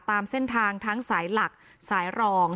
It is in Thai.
ตามเส้นทางทั้งสายหลักสายรอง